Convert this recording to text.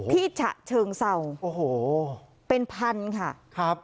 ที่ฉะเชิงเศร้าเป็นพันธุ์ค่ะ